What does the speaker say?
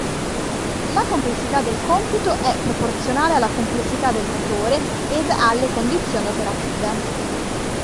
La complessità del compito è proporzionale alla complessità del motore ed alle condizioni operative.